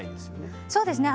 そうですね